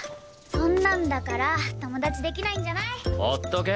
そんなんだから友達できないんじゃない？放っとけ。